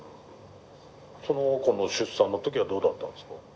その子の出産の時はどうだったんですか？